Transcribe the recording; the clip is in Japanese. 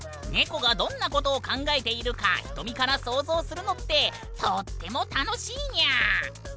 ネコがどんなことを考えているか瞳から想像するのってとっても楽しいにゃ！